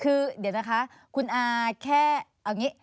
คือเดี๋ยวนะคะคุณอาแค่เอาอย่างนี้